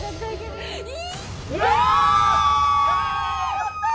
やったー！